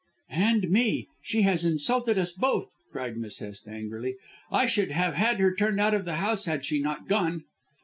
"And me. She has insulted us both," cried Miss Hest angrily. "I should have had her turned out of the house had she not gone."